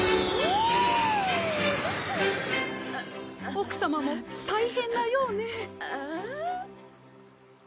奥様も大変なようね。